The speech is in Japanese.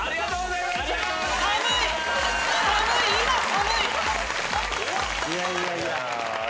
いやいやいや。